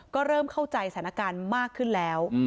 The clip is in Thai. ก็เริ่มเข้าใจสถานการณ์มากขึ้นแล้ว